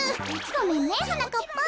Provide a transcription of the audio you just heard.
ごめんねはなかっぱん。